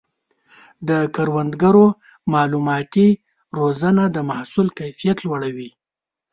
د کروندګرو مالوماتي روزنه د محصول کیفیت لوړوي.